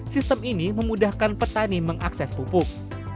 sistem ini memudahkan petani mengakses pupuk